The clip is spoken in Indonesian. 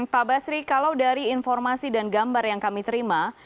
pak basri kalau dari informasi dan gambar yang kami terima